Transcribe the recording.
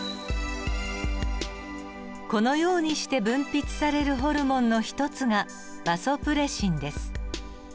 このようにして分泌されるホルモンの一つがバソプレシンです。